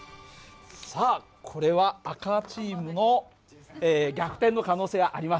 さあこれは赤チームの逆転の可能性がありますね。